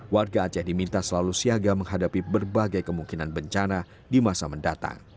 warga aceh diminta selalu siaga menghadapi berbagai kemungkinan bencana di masa mendatang